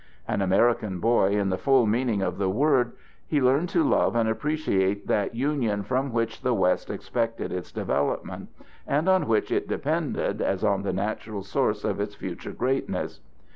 An American boy in the full meaning of the word he learned to love and appreciate that Union from which the West expected its development, and on which it depended as on the natural source of its future greatness.